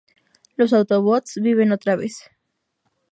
Los Autobots viven otra vez.